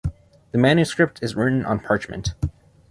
The manuscript is written on parchment.